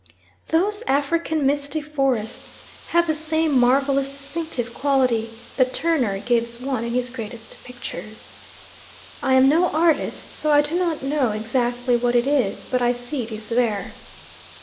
Those African misty forests have the same marvellous distinctive quality that Turner gives one in his greatest pictures. I am no artist, so I do not know exactly what it is, but I see it is there.